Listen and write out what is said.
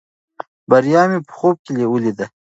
بریا مې په خوب کې ولیده.